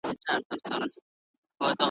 شاعره ستا تر غوږ مي چیغي رسولای نه سم `